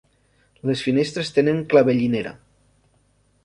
Les finestres tenen clavellinera.